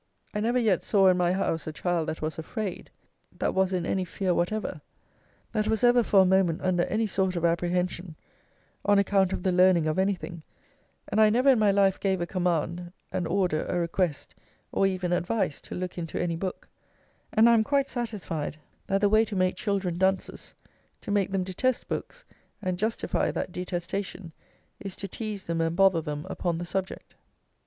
I never yet saw in my house a child that was afraid; that was in any fear whatever; that was ever for a moment under any sort of apprehension, on account of the learning of anything; and I never in my life gave a command, an order, a request, or even advice, to look into any book; and I am quite satisfied that the way to make children dunces, to make them detest books, and justify that detestation, is to tease them and bother them upon the subject.